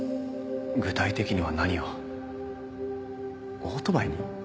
具体的には何をオートバイに？